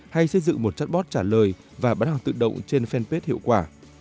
hay xây dựng một chatbot trả lời và bán hàng tự động trên fanpage hiệu quả